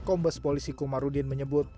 kombes polisi kumarudin menyebut